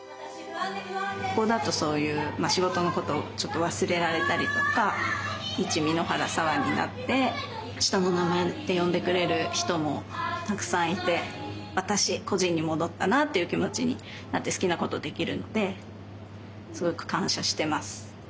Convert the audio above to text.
ここだとそういう仕事のことをちょっと忘れられたりとか一簑原沙和になって下の名前で呼んでくれる人もたくさんいて私個人に戻ったなっていう気持ちになって好きなことをできるんですごく感謝してます。